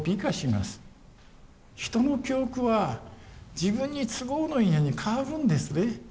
人の記憶は自分に都合のいいように変わるんですね。